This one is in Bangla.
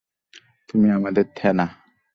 তুমি আমাদের থেনা।